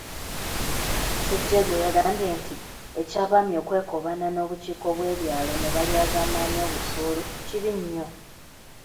Ssejjengo yagambye nti eky'Abaami okwekobaana n'obukiiko bw'ebyalo ne balyazaamaanya obusuulu kibi nnyo.